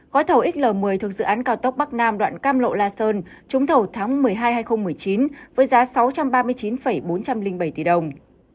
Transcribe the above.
gói thầu xl một mươi thuộc dự án cao tốc bắc nam đoạn cam lộ la sơn trúng thầu tháng một mươi hai hai nghìn một mươi chín với giá sáu trăm ba mươi chín bốn trăm linh bảy tỷ đồng